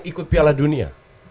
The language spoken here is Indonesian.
ikut piala dunia